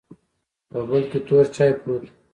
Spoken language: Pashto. په بل کې تور چاې پروت و.